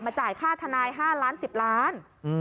จ่ายค่าทนาย๕ล้าน๑๐ล้าน